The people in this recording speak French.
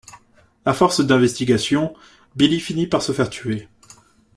À force d'investigations, Billy finit par se faire tuer.